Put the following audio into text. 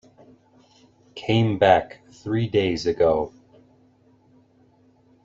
Came back three days ago.